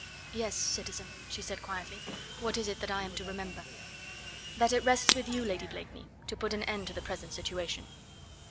"Yes, citizen," she said quietly; "what is it that I am to remember?" "That it rests with you, Lady Blakeney, to put an end to the present situation."